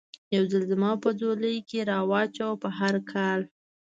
یو ځل زما په ځولۍ کې را و چوه، په هر حال.